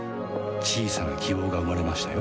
小さな希望が生まれましたよ